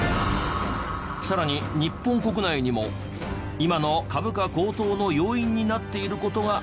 さらに日本国内にも今の株価高騰の要因になっている事があるんです。